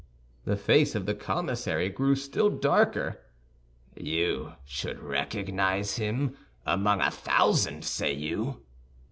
The face of the commissary grew still darker. "You should recognize him among a thousand, say you?"